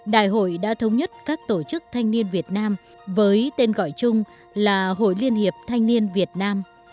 đại hội đã thống nhất các tổ chức thanh niên việt nam với tên gọi chung là hội liên hiệp thanh niên việt nam